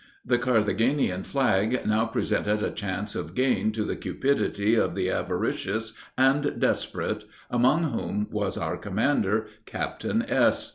The Carthagenian flag now presented a chance of gain to the cupidity of the avaricious and desperate, among whom was our commander, Captain S.